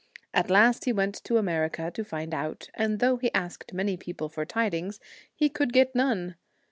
At last he went to America to find out, and though he asked many people for tidings, he could get none.